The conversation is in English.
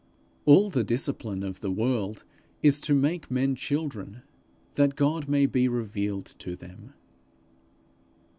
All the discipline of the world is to make men children, that God may be revealed to them.